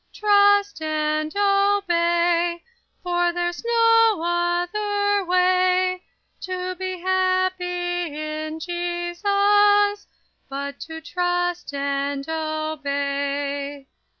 Refrain Trust and obey, for there's no other way To be happy in Jesus, but to trust and obey.